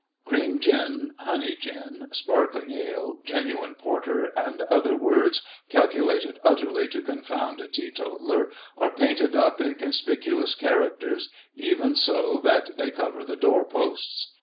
Cream Gin, Honey Gin, Sparkling Ale, Genuine Porter, and other words calculated utterly to confound a tee totaller, are painted up in conspicuous characters, even so that they cover the door posts.